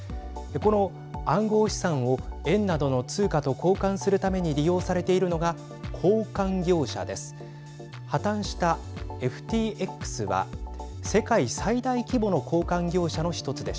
この暗号資産を円などの通貨と交換するために利用されているのが交換業者です。